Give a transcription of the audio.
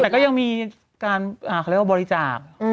แต่ก็ยังมีการเขาเรียกว่าบริจาค